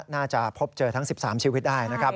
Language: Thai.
น่าจะพบเจอทั้ง๑๓ชีวิตได้นะครับ